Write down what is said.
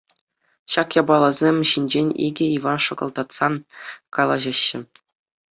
Ҫак япаласем ҫинчен икӗ Иван шӑкӑлтатса калаҫаҫҫӗ.